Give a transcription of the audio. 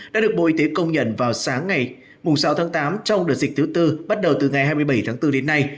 đã được bộ y tế công nhận vào sáng ngày sáu tháng tám trong đợt dịch thứ tư bắt đầu từ ngày hai mươi bảy tháng bốn đến nay